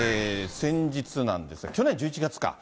先日なんですが、去年１１月か。